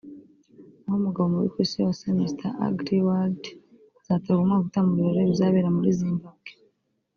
naho umugabo mubi ku isi yose (Mr Ugly World) akazatorwa umwaka utaha mu birori bizabera muri Zimbabwe